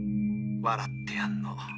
笑ってやんの。